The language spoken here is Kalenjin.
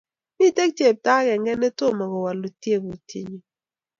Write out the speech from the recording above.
mito chepto agengé netomo kowolu tebutienyu